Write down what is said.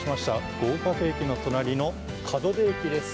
合格駅隣の門出駅です。